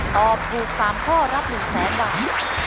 ตอบถูก๓ข้อรับ๑๐๐๐บาท